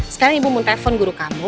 sekarang ibu mau telepon guru kamu